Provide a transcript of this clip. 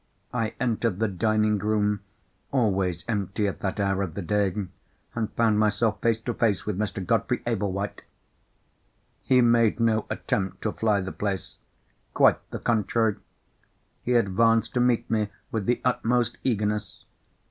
I entered the dining room, always empty at that hour of the day, and found myself face to face with Mr. Godfrey Ablewhite! He made no attempt to fly the place. Quite the contrary. He advanced to meet me with the utmost eagerness.